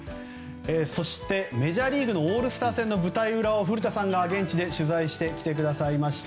そして、メジャーリーグのオールスター戦の舞台裏を古田さんが現地で取材してきてくださいました。